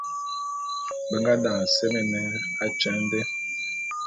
Be nga daňe semé atyeň dé.